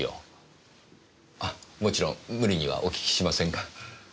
あっもちろん無理にはお訊きしませんが。